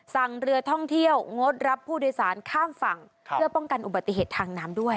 สั่งเรือท่องเที่ยวงดรับผู้โดยสารข้ามฝั่งเพื่อป้องกันอุบัติเหตุทางน้ำด้วย